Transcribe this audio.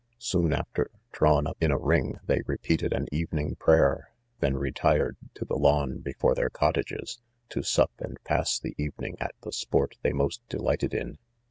\ Soon after drawn up in a ring they xepeatea an evening prayer 5 then retired to the lawn before their cottages, to 'sup and pass the evening at the sport they most delighted in.